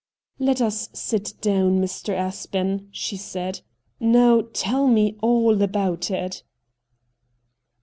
' Let us sit down, Mr. Aspen,' she said. 'Now tell me all about it.'